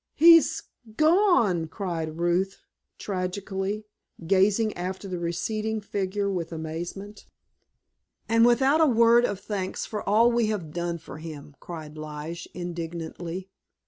"He's gone!" cried Ruth tragically, gazing after the receding figure with amazement. "And without a word of thanks for all we have done for him!" cried Lige indignantly.